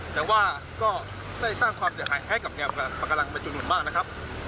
แต่ว่าก็ได้สร้างความเสียหายให้กับแนวปากาลังเป็นจำนวนมากนะครับ